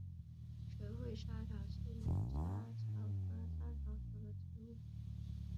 垂穗莎草是莎草科莎草属的植物。